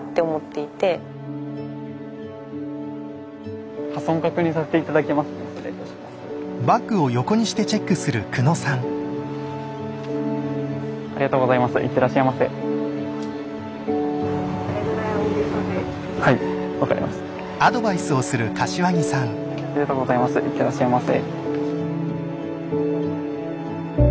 いってらっしゃいませ。